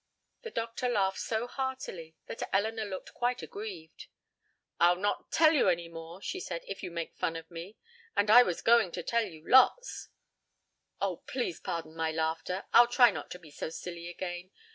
The doctor laughed so heartily that Elinor looked quite aggrieved. "I'll not tell you any more," she said, "if you make fun of me, and I was going to tell you lots." "Oh, please pardon my laughter. I'll try not to be so silly again.